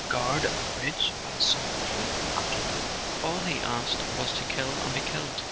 Guard a bridge at St. Cloud after that? All he asked was to kill and be killed.